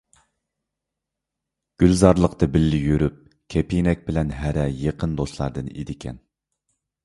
گۈلزارلىقتا بىللە يۈرۇپ كىپىنەك بىلەن ھەرە يېقىن دوستلاردىن ئىدىكەن .